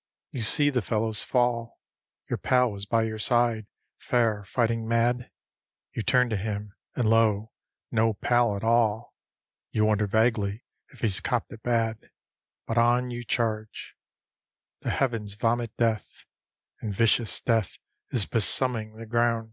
_ You see the fellows fall; Your pal was by your side, fair fighting mad; You turn to him, and lo! no pal at all; You wonder vaguely if he's copped it bad. BUT ON YOU CHARGE. The heavens vomit death; And vicious death is besoming the ground.